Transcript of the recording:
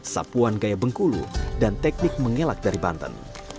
sapuan gaya bengkulu dan teknik mengelak dari banten